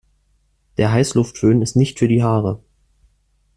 Der Heißluftföhn ist nicht für die Haare.